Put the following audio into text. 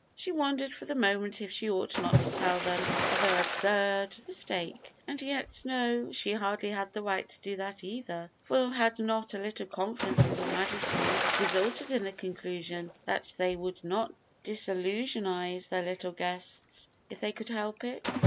She wondered for the moment if she ought not to tell them of their absurd mistake; and yet no she hardly had the right to do that either; for had not a little conference with Her Majesty resulted in the conclusion that they would not disillusionize their little guests if they could help it?